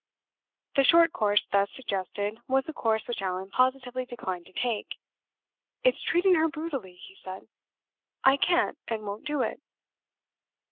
The short course thus suggested was a course which Allan positively declined to take. "It's treating her brutally," he said; "I can't and won't do it."